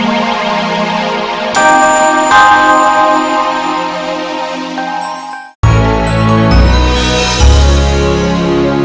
amba akan menang